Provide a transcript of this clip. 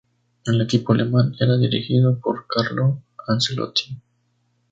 El equipo alemán era dirigido por Carlo Ancelotti.